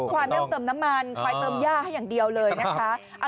ควายเติมยากให้อย่างเดียวเลยนะคะ